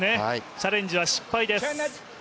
チャレンジは失敗です。